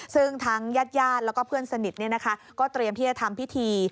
ซึ่งทั้งญาติญาติและเพื่อนสนิทเนี่ยนะคะก็เตรียมที่จะทำพิธี